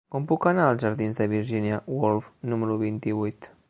Com puc anar als jardins de Virginia Woolf número vint-i-vuit?